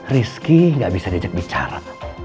rizky gak bisa diajak bicara